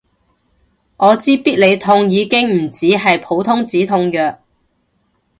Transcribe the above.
我知必理痛已經唔止係普通止痛藥